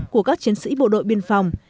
của các chiến sĩ bộ đội biên phòng